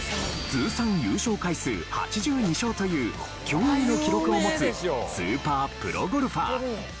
通算優勝回数８２勝という驚異の記録を持つスーパープロゴルファー。